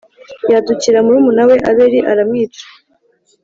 yadukira murumuna we Abeli aramwica